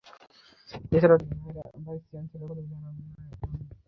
এছাড়াও তিনি ভাইস-চ্যান্সেলর পদবি ধারণ করে আছেন।